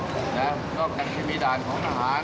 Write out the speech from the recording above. ก็แค่ที่มีด่านของสหาร